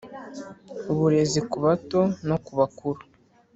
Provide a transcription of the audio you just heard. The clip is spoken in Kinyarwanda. Uburezi ku bato no ku bakuru